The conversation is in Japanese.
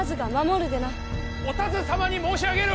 お田鶴様に申し上げる！